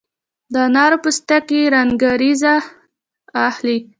د انارو پوستکي رنګریزان اخلي؟